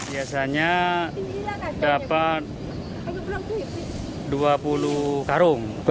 biasanya dapat dua puluh karung